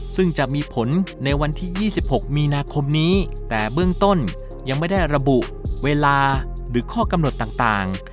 ซึ่งจะมีผลในวันที่๒๖มีนาคมนี้แต่เบื้องต้นยังไม่ได้ระบุเวลาหรือข้อกำหนดต่าง